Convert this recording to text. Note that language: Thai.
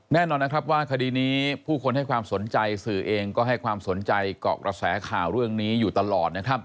แน่นอนนะครับว่าคดีนี้ผู้คนให้ความสนใจสื่อเองก็ให้ความสนใจเกาะกระแสข่าวเรื่องนี้อยู่ตลอดนะครับ